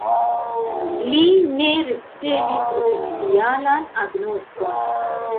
Li ne ricevis oficialan agnoskon.